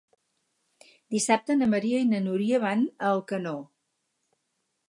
Dissabte na Maria i na Núria van a Alcanó.